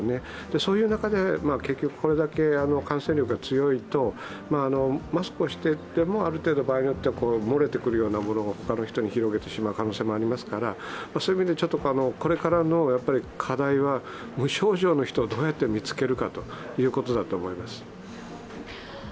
そういう中で結局、これだけ感染力が強いとマスクをしていてもある程度、場合によっては漏れていってほかの人に広げてしまう可能性もありますからこれからの課題は、無症状の人をどうやって見つけるかということだと思います。